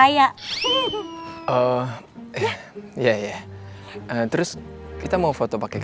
gak ngerti sama aku asi